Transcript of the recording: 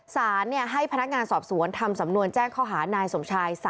สารให้พนักงานสอบสวนทำสำนวนแจ้งข้อหานายสมชาย